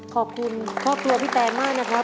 ขอบคุณครอบครัวพี่แตนมากนะครับ